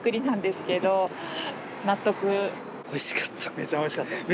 めっちゃ美味しかったです。